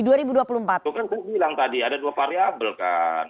itu kan aku bilang tadi ada dua variabel kan